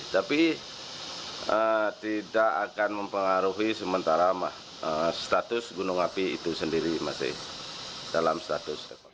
tapi tidak akan mempengaruhi sementara status gunung api itu sendiri masih dalam status